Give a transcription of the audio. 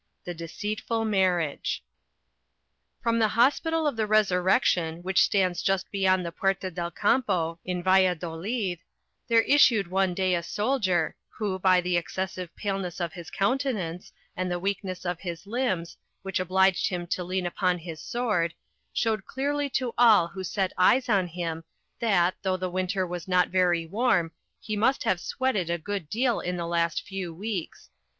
THE DECEITFUL MARRIAGE From the Hospital of the Resurrection, which stands just beyond the Puerta del Campo, in Valladolid, there issued one day a soldier, who, by the excessive paleness of his countenance, and the weakness of his limbs, which obliged him to lean upon his sword, showed clearly to all who set eyes on him that, though the weather was not very warm, he must have sweated a good deal in the last few weeks.